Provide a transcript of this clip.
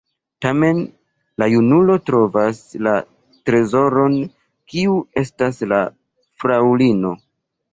Tamen la junulo trovas la trezoron, kiu estas la fraŭlino.